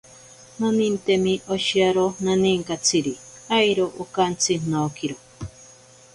Nonintemi oshiyaro naninkatsiri, airo okantsi nookiro.